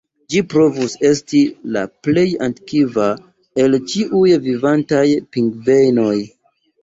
Ĝi povus esti la plej antikva el ĉiuj vivantaj pingvenoj.